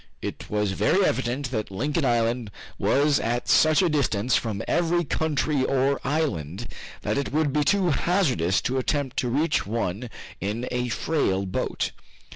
It was very evident that Lincoln Island was at such a distance from every country or island that it would be too hazardous to attempt to reach one in a frail boat.